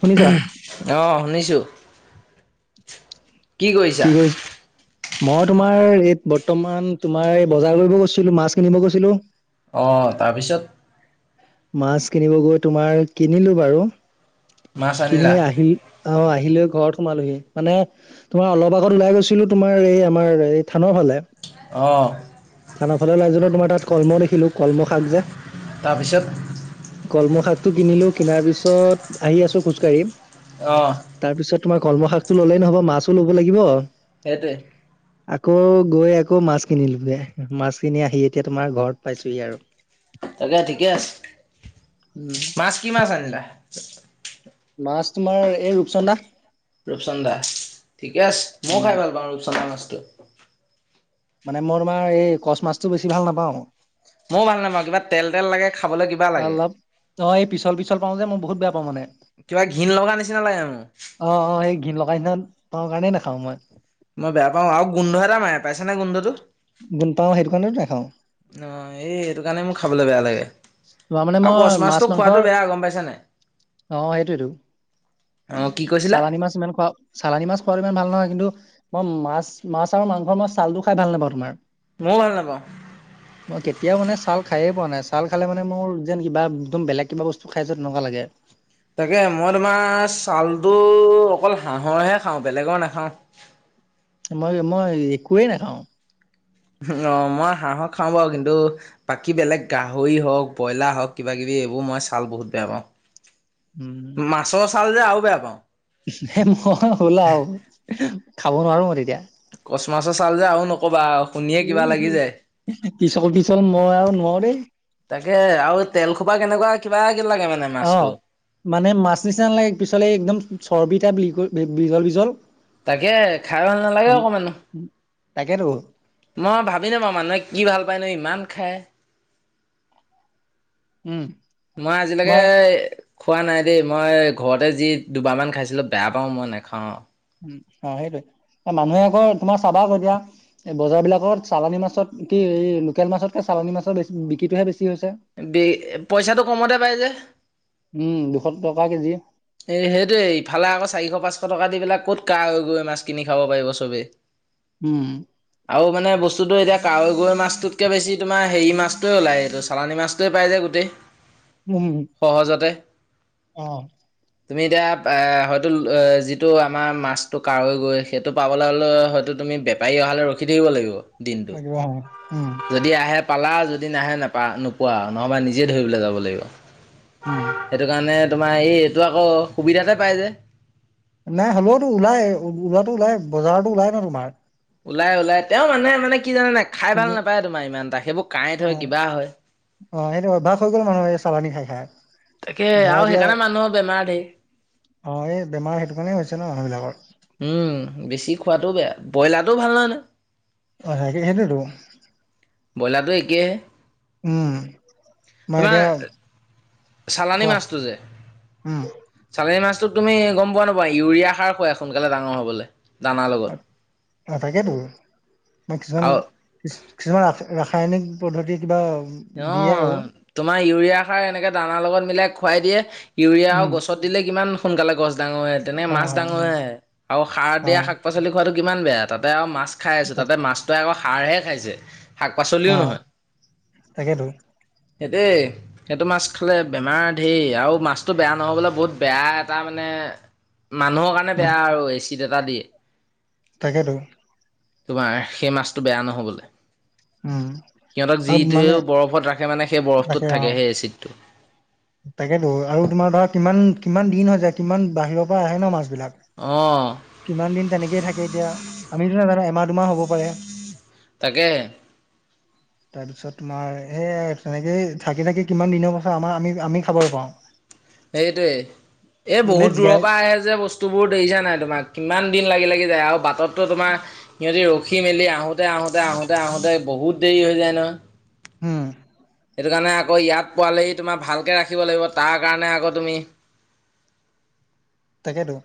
শুনিছা অ শুনিছোঁ। কি কৰিছা? মই তোমাৰ এই বৰ্তমান তোমাৰ এই বজাৰ কৰিব গৈছিলো, মাছ কিনিব গৈছিলো। অহ তাৰপিছত? মাছ কিনিব গৈ তোমাৰ কিনিলো বাৰু। মাছ কিনি আনিলা? আহিল অ আহিলেও ঘৰত সোমালোহি, মানে তোমাৰ অলপ আগত ওলাই গৈছিলো তোমাৰ এই আমাৰ এই থানৰ ফালে। অ', থানা ফালে উলাই যাওঁতে তোমাৰ তাত কলমৌ দেখিলো কলমৌ শাক যে। তাৰপিছত কলমৌ শাকটো কিনিলো কিনাৰ পিছত আহি আছো খোজকাঢ়ি। অঁ। তাৰ পিছত তোমাৰ কলমৌ শাকটো ল'লেই নহব, মাছো ল'ব লাগিব। সেইটোৱে। আকৌ গৈ আকৌ মাছ কিনিলোগে। মাছ কিনি আহি এতিয়া তোমাৰ ঘৰত পাইছোহি আৰু। তাকে ঠিকে আছে। উম, মাছ কি মাছ আনিলা? মাছ তোমাৰ এই ৰূপচন্দা। ৰূপচন্দা, ঠিকে আছে মইও উম খাই ভাল পাওঁ ৰূপচন্দা মাছটো। মানে মই তোমাৰ এই কচ মাছটো বেছি ভাল নাপাওঁ। ময়ো ভাল নাপাওঁ। কিবা তেল তেল লাগে খাবলে কিবা লাগে। অলপ অ এই পিচল পিচল পাওঁ যে মই বহুত বেয়া পাওঁ মানে। কিবা ঘৃণ লগা নিচিনা লাগে মো। ঘৃন লগাই নিসনা পাওঁ কাৰণে নাখাওঁ মই। মই বেয়া পাও আউ গোন্ধ এটা মাৰে, পাইছ নে গোন্ধটো? গুণ পাওঁ সেইটো কাৰণেতো নাখাওঁ অ, এই এইটো কাৰণে মোৰ খাবলৈ বেয়া লাগে। চুৱা মানে আৰু মই, কচ মাছ মাছটো খোৱাটো মাংসৰ বেয়া গম পাইছা নাই? অ সেইটোয়েটো। অ', কি কৈছিলা? চালানী মাছ ইমান খোৱা, চালানী মাছ খোৱাও ইমান ভাল নহয় কিন্তু। মই মাছ মাছ আৰু মাংস মই ছালটো খাই ভাল নেপাওঁ তোমাৰ। ময়ো ভাল নাপাওঁ। মই কেতিয়াও মানে ছাল খাইৱে পোৱা নাই। ছাল খালে মানে মানে মোৰ যেন কিবা একদম বেলেগ কিবা বস্তু খাইছ তেনেকুৱা লাগে। তাকে মই তোমাৰ চালটো অকল হাঁহৰহে খাওঁ, বেলেগৰ নাখাওঁ। [inaudible] মই মই একোৱেই নেখাওঁ। অ মই হাহক। খাওঁ বাউ কিন্তু বাকী বেলেগ গাহৰি হওক ব্ৰইলা হওক কিবাকিবি এইবো মই ছাল বহুত বেয়া পাওঁ। [inaudible] উম মাছৰ ছাল যে আৰু বেয়া পাওঁ ম হ'লা? খাব নোৱাৰোঁ মই তেতিয়া। কচ মাছৰ চাল যে আও নকবা আও। এ পিছল পিছল মই আও নুৱাও দেই। তাকে আৰু তেল খোপা কেনেকুৱা। কিবা কিবি লাগে মানে অ, মাছটো। মানে মাছ নিচিনা নালাগে পিছলে একদম চৰ্বি টাইপ লিকুইড। বিজল বিজল। তাকে, খাই ভাল নালাগে অকণমানো। তাকে তো। মই ভাবি নাপাও, মানুহে কি ভাল পায় নো ইমান খাই? উম মই আজিলেকে। তোমাৰ খোৱা নাই দেই, মই ঘৰতে যি দুবাৰমান খাইছিলোঁ বেয়া পাওঁ মই নেখাও। অ সেইটোৱে। মানুহে আকৌ তোমাৰ চাবা আকৌ এতিয়া, বজাৰ বিলাকত চালানী মাছত কি এই লোকেল মাছতকে চা চালনি মাছৰ বেছি বিক্ৰীটোহে বেছি। চি হৈছে। বে পইচাটো কমতে পাই যে উম দুশ টকা কেজি। এ সেইটোৱে ইফালে আকৌ চাৰিশ পাঁচশ টকা দি পেলাই ক'ত কাৱৈ, গৰৈ মাছ কিনি খাব পাৰিব চবে। উম আউ মানে বস্তু। বস্তু ত এতিয়া কাৱৈ, গৰৈ মাছটোতকৈ বেছি তোমাৰ হেৰি মাছটোৱে ওলায়, এইটো চালানী মাছটোৱে পায় যে গোটেই। উম সহজতে। অ। তুমি এতিয়া আ হয়তো ল যিটো আমাৰ মাছটো কাৱৈ গৰৈ। সেইটো পাবলৈ হ'লে হয়তো। ত বেপাৰী অহালৈ ৰখি থাকিব লাগিব দিনটো লাগিব উম যদি আহে। পালা যদি নাহে নাপা নোপোৱা নহ'বা নিজে ধৰিবলৈ যাব লাগিব। উম সেইটো কাৰণে তোমাৰ এই এইটো আকৌ সুবিধাতে পাই যে। নাই হ'লেওতো ওলাই ওলোৱাটো ওলাই বজাৰতো ওলাই ন তোমাৰ। ওলাই- ওলাই তেওঁ মানে- মানে। কি জানে নাই খাই ভাল কিন্তু নাপায় তোমাৰ ইমান এটা সেইবোৰ কাঁয়েত অ হয় কিবা হয়। অ সেইটো অভিয়াষ হৈ গ'ল মানুহে চালানী খাই খাই। তাকে ধৰা আৰু এতিয়া সেইকাৰণে মানুহৰ বেমাৰ ধেই। অ এই বেমাৰ সেইটো কাৰণে হৈছে ন মানুহ বিলাক। উম বেছি খোৱাটো বেয়া ব্ৰইলাৰটো ভাল নহয়। অ সে হেইটোয়ে টো। ব্ৰইলাৰটো একেহে। উম মই এতিয়া। চালানী কোৱা মাছটো যে চালানী। উম চালানী মাছটোক তুমি গম পোৱা নোপোৱা ইউৰিয়া সাৰ খোৱাই সোনকালে ডাঙৰ হ'বলৈ। দানাৰ লগত অ তাকেটো মই কিছুমান আৰু কিছুমান আছে। ৰাসায়নিক পদ্ধতি কিবা। অ দিয়ে আৰু তোমাৰ ইউৰিয়া সাৰ এনেকে দানা লগত মিলাই খুৱাই দিয়ে। ইউৰিয়া আৰু উম গছত দিলে কিমান সোনকালে গছ। ডাঙৰ হৈ তেনে ডাঙৰে তেনেক অ মাছ হয় উম ডাঙৰে আৰু সাৰ অ দিয়া শাক পাচলি খোৱাটো কিমান বেয়া তাতে আৰু মাছ। মাছ খাই আছে তাক তাতে মাছটোৱ আকৌ সাৰহে খাইছে শাক পাচলিও নহয়। তাকেইটো। সেটোৱেই সেইটো মাছ খালে বেমাৰ ধেই আৰু মাছতটো বেয়া নহ'বলে বহুত বেয়া এটা মানে। মানুহৰ কাৰণে উম বেয়া আৰু এ চিট এটা দিযে। তাকেতো। তোমাৰ সেই মাছটো বেয়া নহবলে। উম সিহঁতক আৰু মানে যিটোৱেও বৰফত ৰাখে মানে সেই তাকে বৰফটোত অ থাকে সেই এচিডটো। তাকেতো আৰু তোমাৰ ধৰা কিমান কিমান দিন হৈ যায় কিমান বাহিৰৰ পৰা আহে ন মাছ। অ। কিমান দিন তেনেকেইে থাকে এতিয়া আমিতো নাজানো এমাহ দুমাহ হ'ব পাৰে। তাকে। [inaudible] তাৰ পিছত তোমাৰ স তেনেকে থাকি থাকি কিমান দিনৰ পাছত আমাৰ আমি আমি খাবলৈ পাওঁ। [unintelligible] সেইটোৱে এই বোলে বহুত জিকাই দূৰৰ পৰা আহে যে বস্তুবোৰ দেখিছা নাই তোমাক। [unintelligible] কিমান দিন লাগি লাগি যায় আৰু বাটতটো তোমাৰ সিহঁতি ৰখ। ৰখি মেলি আহোতে আহোতে আহোতে আহোতে বহুত দেৰি হৈ যায় নহয়। উম সেইটো কাৰণে আকৌ ইয়াত পোৱালেহি তোমাৰ ভালকৈ ৰাখিব লাগিব তাৰ কাৰণে আকৌ তুমি। [unintelligible] [unintelligible] তাকেতো।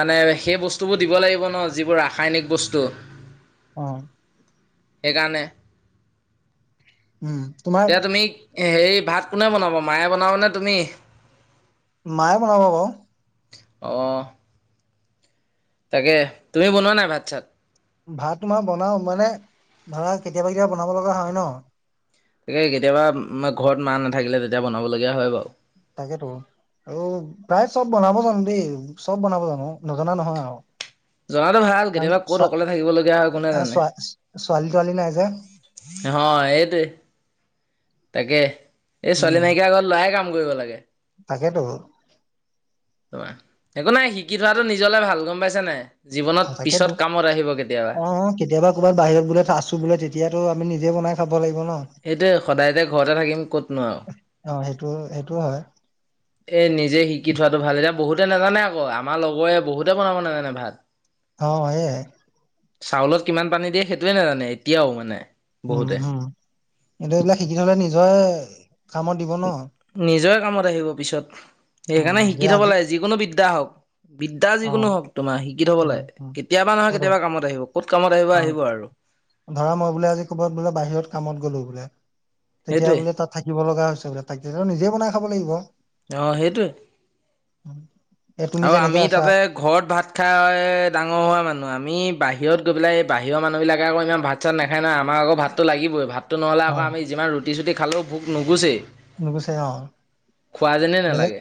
মানে সেই বস্তুবোৰ দিব লাগিব ন যিবোৰ ৰাসায়নিক বস্তু। অ সেইকাৰণে। উম তোমাৰ। এতিয়া তুমি হেৰি ভাত কোনে বনাব মায়ে বনাবনে তুমি। মায়ে বনাব বাও। আহ। তাকে তুমি বনোৱা নাই ভাত চাত। ভাত তোমাৰ বনাও মানে ভা কেতিয়াবা কেতিয়াবা বনাব লগা হয় ন। [unintelligible] তাকে কেতিয়াবা ঘৰত মা নাথাকিলে তেতিয়া বনাব লগীয়া হয় বাৰু। [unintelligible] তাকেতো। আৰু প্ৰায় চব বনাব জানো দেই চব বনাব জানো নজনা নহয় আৰু জনাটো ভাল কেতিয়াবা ক'ত অকলে [unintelligible] থাকিবলগীয়া হয় কোনে কাৰন ছোৱালী তোৱালী নাই যে হ এইটোৱে তাকে এই ছোৱালী নাইকিয়া ঘৰত লৰাই কাম কৰিব লাগে। তাকেইতো তমাৰ একো নাই শিকি থোৱাটো নিজলে ভাল গম পাইছে নাই। জীৱনত অ পিছত তাকেতো কামত আহিব কেতিয়াবা অ কেতিয়াবা ক'বাত বাহিৰত বোলে আছো বোলে তেতিয়াতো আমি নিজে বনাই খাম সেইটোৱে সদায় যে ঘৰতে থাকিম কতনো আৰু অ সেইটো সেইটোও হয় এ নিজে শিকি থোৱাটো ভাল এতিয়া বহুতে নাজানে আকৌ আমাৰ লগৰে বহুতে বনাব নাজানে ভাত অ এই চাউলত কিমান পানী দিয়ে সেইটোৱে নাজানে এতিয়াও মানে উম বহুতে হম কিন্তু এইবিলাক শিকিথলে নিজৰে কামত দিব ন [unintelligible] নিজৰে কামত আহিব পিছত উম সেইকাৰণে যে শিকি থব আজি লাগে যিকোনো বিদ্যা হওক বিদ্যা অ যিকোনো হওক তোমাৰ শিকি থব উম লাগে উম কেতিয়াবা নহয় সেইটো কেতিয়াবা কামত আহিব ক'ত কামত আহিব অ আহিব আৰু [unintelligible] ধৰা মই বোলো আজি ক'বাত বোলে বাহিৰত কামত গ'লো বোলে তেতিয়া সেইটোৱে বোলে তাত থাকিব লগা হৈছে বোলে তাৰ পিছত নিজে বনাই খাব লাগিব অ [unintelligible] সেইটোৱে এ তুমি আৰু যেনেকে আমি আছা তাতে ঘৰত ভাত খাই ডাঙৰ হোৱা মানুহ আমি বাহিৰত গৈ পেলাই এই বাহিৰ মানুহবিলাকে আকৌ ই ভাত চাত নাখায় নাই আমাৰ আকৌ ভাতটো লাগিবই ভাত [unintelligible] ত নহলে' আকৌ হয় আমি যিমান ৰুটি চুটি খালেও ভোক নুগুছেই [unintelligible] নুগুছে অ যেনেই বেলেগ নালাগে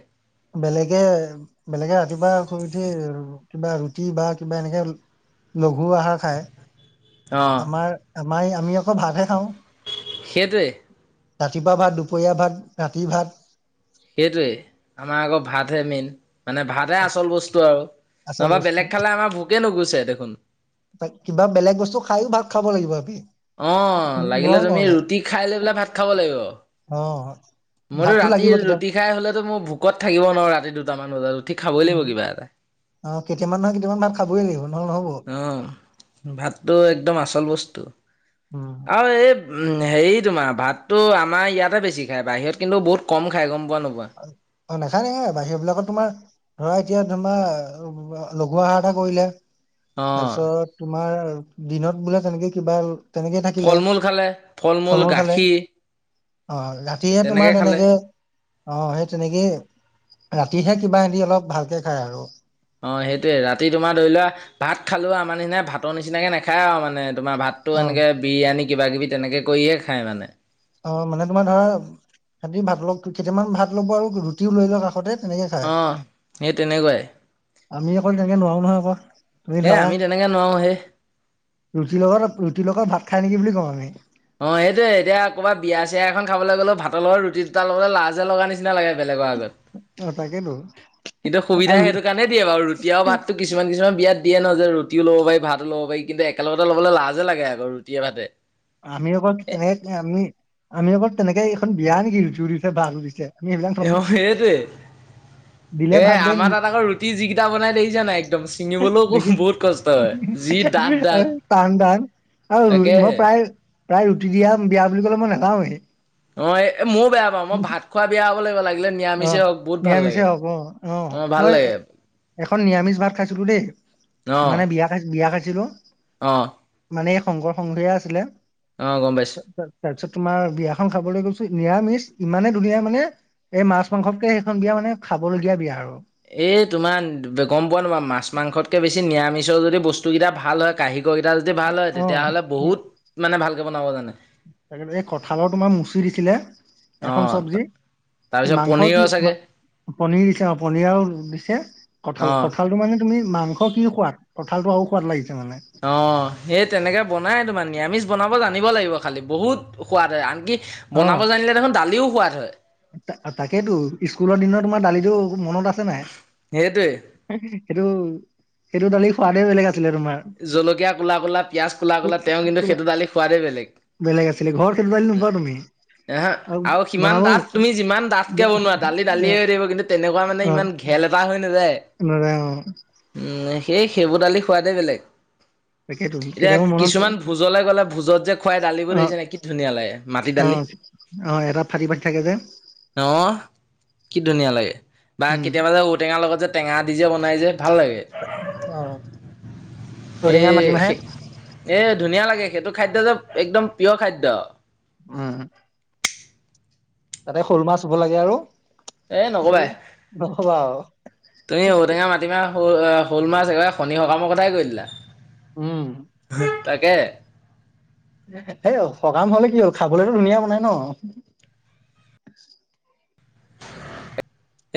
বেলেগে বেলেগে ৰাতিপুৱা শুই উঠি কিবা ৰুটি বা কিবা এনেকে লঘু আহাৰ খাই অঁ আমাৰ মাই আমি আকৌ ভাতহে খাওঁ সেইটোৱে ৰাতিপুৱা ভাত দুপৰীয়া ভাত ৰাতি ভাত সেইটোৱে আমাৰ আকৌ ভাতহে মেইন মানে ভাতহে আচল বস্তু আৰু আচল নহবা বস্তু। বেলেগ খালে আমাৰ ভোকে নুগুছে দেখোন ত কিবা বেলেগ বস্তু খাইও ভাত খাব লাগিব আমি অ লাগিলে নোৱাৰো তুমি নহ'লে ৰুটি খাই লৈ পেলাই ভাত খাব লাগিব। অ মইতো ভাতটো ৰাতি লাগিব কেতিয়াবা ৰুটি খাই হলেতো মই ভোকত থাকিব নোৱাৰো ৰাতি দুটামান। বজাত উঠি খাবই লাগিব উম কিবা এটা। অ কেতিয়ামান নহয় কেতিয়ামান ভাত খাবই লাগিব নহ'লে নহ'ব অ ভাতটো একদম আছে। আচল বস্তু উম আৰু এই। উ হেৰি তোমাৰ ভাততো আমাৰ ইয়াতে বেছি খায়, বাহিৰত কিন্তু বহুত কম খাই গম প অ নেখাই নেখাই বাহিৰবিলাকত তোমাৰ ধৰা এতিয়া তোমাৰ লঘু আহাৰ এটা কৰিলে, অ' তাৰপিছত তোমাৰ দিনত বোলে তেনেকে কিবা তেনেকেই থাকিলে। ফল মূল খালে ফল মূল খালে। গাখীৰ অ ৰাতিহে তোমাৰ তেনেকে অ সেই তেনেকেই ৰাতিহে কিবা এদি অলপ ভালকে খায় আৰু। অ সেইটোয়ে ৰাতি তোমাৰ ধৰি লোৱা ভাত খালো আমাৰ নিচিনা ভাতৰ নিচিনাকে নাখায় আৰু মানে তোমাৰ ভাতটো অ এনেকে বিৰিয়ানী কিবা কিবি তেনেকে কৰিয়ে খায় মানে। অ মানে তোমাৰ ধৰা সিহতি ভাত ল কেইটামান ভাত ল'ব আৰু ৰুটিও লৈ লওক কাষতে তেনেকে খায় আহ সেই তেনেকুৱাই আমি অকল তেনেকে নোৱাৰোও নহয় আকৌ তুমি এ ধৰা আমি তেনেকে নোৱাৰো হে ৰুটিৰ লগত ৰুটিৰ লগত ভাত খাই নেকি বুলি কওঁ আমি। অ সেইটোৱে, এতিয়া কৰবাত বিয়া চিয়া এখন খাবলৈ গ'লেও ভাতৰ লগত ৰুটি দুটা ল'বলৈ লাজ যে লগা নিচিনা লাগে। বেলেগৰ আগত অ তাকেতো কিন্তু সুবিধা আৰু সেইটো কাৰণেয়ে বাৰ ৰুটি আৰু ভাততো কিছুমান বিয়াত দিয়ে ন যে ৰুটিও ল'ব পাৰি ভাতো ল'ব পাৰি কিন্তু একেলগতে লব লাজে লাগে আক ৰুটিয়ে ভাতে। আমি আকৈ তেনেকে আমি আমি আৰ তেনেকে এইখন বিয়া নেকি ৰুতিও দিছে ভাত ও দিছে। আমি এ এবিলাক অ সেইটোৱে এ আমাৰ তাত আকৌ ৰুটি যিকিটা বনাই দেখিছা নাই একদম ছিঙিবলৈও দেখি বহুত কষ্ট হয়। যি ডাঠ ডাঠ টান টান আৰু ই তাকেহে। মই প্ৰায় প্ৰায় ৰুটি দিয়া বিয়া বুলি কলে মই নাখাওঁৱেই। অ এ মইো বেয়া পাওঁ মই ভাত খোৱা বেয়া হ'ব লাগিব লাগে। লাগিলে অ নিৰামিষেই হওক বহুত ভাল নিৰামিষেই হওঁক অ অ ভাল মই লাগে এখন নিৰামিষ ভাত খাইছিলো দেই অ' মানে বিয়া খাই বিয়া খাই অ সংঘৰ সংঘ আছিলে। অ' গম পাইছোঁ। তাৰপিছত তোমাৰ বিয়াখন খাবলৈ গৈছো নিৰামিষ ইমানে ধুনীয়া মানে এই মাছ মাংসতকে সেইখন বিয়া মানে খাবলগীয়া বিয়া আৰু এই তোমাৰ গম পোৱা নোা মাছ মাংসতকে বেছি নিৰামিষৰ যদি বস্তু কেইটা ভাল হয় কাঁহী শকেইটা যদি ভাল হয় অ তেতিয়াহ'লে বহুত মানে ভালকে বনাব জানে তাক এই কঁঠালৰ তোমাৰ মুচি দিছিলে, এখন অ' চবজি। কি তাৰপিছত মাংস কি পনীৰৰ চাগে পনিৰ দিছে অ পনীৰও দিছে, কঠাল অ'। কঠালটো মানে তুমি মাংস কি খোৱাত কঠালটো আৰু সোৱাদ লাগিছে। মানে অ সেই তেনেকে বনাই তোমাৰ নিৰামিষ বনাব জানিব লাগিব। খালী বহুত সোৱাদ হয় আনকি বনাব জানিলে দেখোন দালিও সোৱাদ হয়। তাকেইেতো স্কুলৰ দিনত তোমাৰ দালিটো মনত আছে নাই সেইটোৱে সেইটো সেইটো দালি সোৱাদে বেলেগ আছে জলকীয়া ক'লা ক'লা, পিয়াঁয় ক'লা কলা, কো- তেওঁ কিন্তু সেইটো কোলা- দালি সোৱাদেই বেলেগ বেলেগ আছিলে ঘৰতে তুমি এ হা আৰু সিমান তাত তুমি ইমান ডাঠকে বনোৱা দালি দালিয়ে অ', হৈ দিব কিন্তু তেনেকুৱা মানে অ', ইমান ঘেল এটা হৈ নাযায়। নৰে অ', উম সেই সেইবোৰ দালি সোৱাদে বেলেগ তাকেইতো এতিয়া কেতিয়াবা মনত কিছুমান পৰে। ভোজলে গ'লে ভোজত যে খুৱাই দালিবোৰ অ', দেছে ন কি ধুনীয়া লাগে মাটি দালি অ অ এটা ফাটি ফাটি থাকে যে অ কি ধুনীয়া লাগে বা উম। কেতিয়াবা যে ঔটেঙাৰ লগত যে টেঙা দি যে বনাই যে ভাল লাগে অ', এ ঔটেঙা মাটিমাহে এ ধুনীয়া লাগে সেইটো খাদ্য যে একদম পিয়ৰ খাদ্য উম তাতে শ'ল মাছ হব লাগে আৰু এ সেই নকবাই নকবা আৰু তুমি ঔটেঙা মাটিমাহ সৰু আহ ফুল মাছ একেবাৰে শনি সকামৰ কথাই কৈ দিলা উম, তাকে হে সকাম হলে কিয় খাবলেতো ধুনীয়া বনাই ন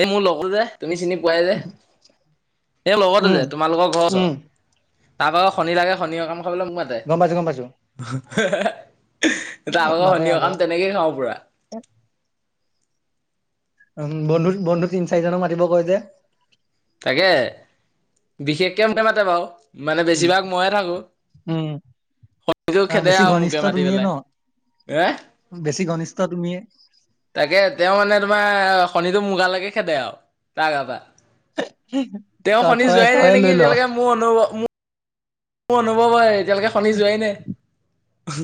এই মোৰ লগৰ যে তুমি চিনি পোৱাই যে এই লগত উম, যে তোমালোকৰ ঘৰৰ ওচৰৰ উম। তাৰপা আৰু শনি লাগে শনিৰ কাম খাবলৈ মোক মাতে গম পাইছো গম পাইছো ত আক মাতে শনিয় মাতে সকাম তেনেকেই খাওঁ পুৰা উ বন্ধু বন্ধু তিন চাৰিজনক মাতিব কয় যে তাকে বিশেষকে মোকে মাতে বাৰু মানে উম, বেছিভাগ ময়ে থাকো উম। শনীটো অ', খেদে বেছি আৰু মোকে ঘনিষ্ঠ মাতি তুমিয়ে পেলাই ন হ তুমি তাকে তেওঁ মানে তোমাৰ শনীটো মুৰ গালৈকে খেদে আৰু তা গা পা তেওঁ তই শনি তই যোৱাই নাই তইয়ে লৈ নেকি ল। এতিয়ালৈকে মোৰ অনুভৱ মোৰ মোৰ অনুভৱ হয় এতিয়ালৈকে শনি যোৱাই নাই।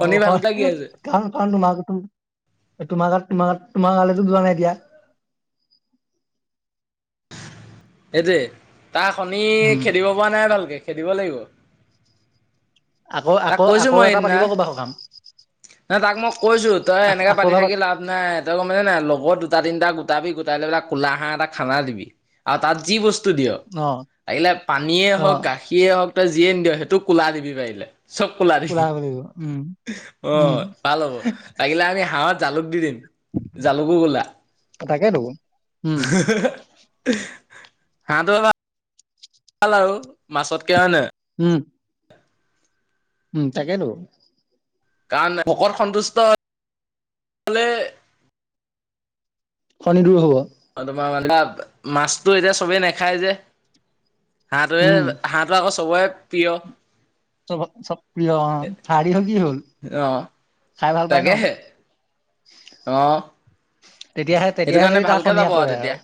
অ ভালকে হয় লাগি আছে কাৰণ কাৰণ তোমাৰ তোমাৰ গাত, তোমাৰ গাত। তোমাৰ গালে তো যোৱা নাই এতিয়া। সেইটোৱে তাক শনি খেদিব পৰা নাই ভালকে, খেদিব লাগিব। আকৌ তাক আকৌ কৈছো আকৌ এটা পাতিব ক'বা সকাম। ন তাক মই কৈছো তই আকৌ এনেকে আকৌ পাতি এবাৰ থাকি লাভ নাই তই গম পাইছ নাই লগৰ দুটা তিনিটা গোটাবি। উটাইলে বুলে কলা হাঁহ এটা খানা দিবি, আৰু তাত যি বস্তু। দিয়, অ লাগিলে পানীয়ে অ হওঁক, গাখিয়ে হওক তই যিয়ে নিদিয় সেইটো ক'লা দিবি পাৰিলে। চব কোলা দি, ওলাই আহিব লাগিব উম অ উম ভাল হ'ব লাগিলে আমি হাঁহত। জালুক, দি দিম জালুকো কু'লা। তাকেইতো। হ। উম [unintelligible] হাঁহতো ভাল আৰু মাছতকে হয় নে। উম। উম তাকে টো। কাৰণ ভকত সন্তুষ্ট হলে। শনি দূৰ হব। অ তোমাৰ মানে, মাছতটো এতিয়া চবে নাখায় যে। হাঁহটোৱে উম হাঁহটো আকৌ চবৰে প্ৰিয়। চ চ প্ৰিয়, হাড়িখন কি হ'ল? অ খাই ভাল পাই ন? তাকেহে অ। তেতিয়াহে সেইটো তেতিয়াহে কাৰণে যদি তাৰ ভালকে শনি যাব আৰু আঁতৰে তেতিয়া।